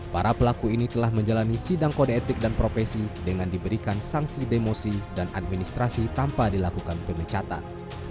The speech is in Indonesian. para pelaku ini telah menjalani sidang kode etik dan profesi dengan diberikan sanksi demosi dan administrasi tanpa dilakukan pemecatan